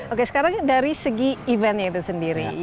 oke sekarang dari segi eventnya itu sendiri